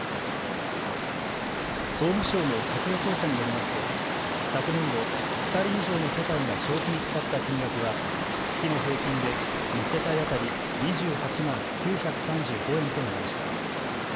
総務省の家計調査によりますと昨年度、２人以上の世帯が消費に使った金額は月の平均で１世帯当たり２８万９３５円となりました。